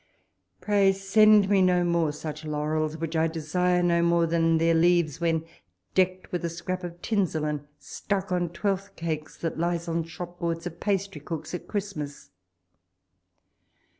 Pray send me no more such laurels, which I desire no more than their leaves when decked with a scrap of tinsel, and stuck on twelfth cakes that lies on shop boards of pastrycooks at Christmas.